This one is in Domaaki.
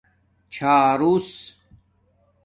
چھارُوس